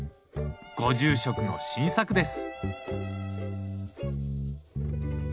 ご住職の新作です。